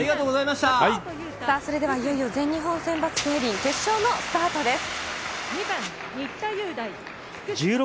それではいよいよ全日本選抜競輪、決勝のスタートです。